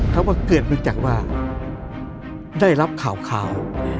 เขาก็เกิดมาจากว่าได้รับข่าว